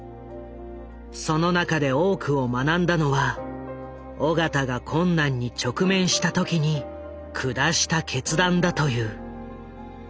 その中で多くを学んだのは緒方が困難に直面した時に下した決断だという。